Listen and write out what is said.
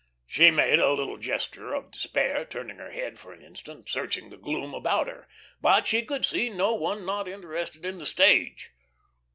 She made a little gesture of despair, turning her head for an instant, searching the gloom about her. But she could see no one not interested in the stage.